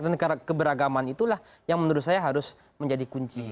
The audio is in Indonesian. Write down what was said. dan keberagaman itulah yang menurut saya harus menjadi kunci